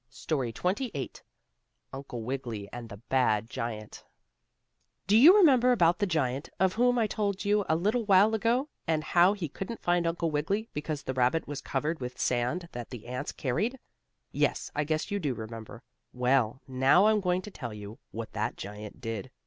STORY XXVIII UNCLE WIGGILY AND THE BAD GIANT Do you remember about the giant, of whom I told you a little while ago, and how he couldn't find Uncle Wiggily, because the rabbit was covered with sand that the ants carried? Yes, I guess you do remember. Well, now I'm going to tell you what that giant did.